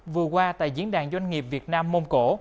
vừa qua tại diễn đàn doanh nghiệp việt nam mông cổ